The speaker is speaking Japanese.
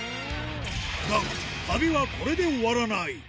だが、旅はこれで終わらない。